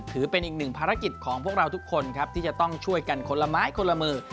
ถือเป็นอีกหนึ่งภารกิจของพวกเราทุกคนครับที่จะต้องช่วยกันคนละไม้คนละมือ